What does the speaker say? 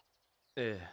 ええ